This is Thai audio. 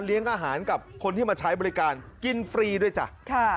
อาหารกับคนที่มาใช้บริการกินฟรีด้วยจ้ะ